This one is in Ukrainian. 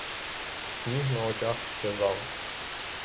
Сніг на очах щезав.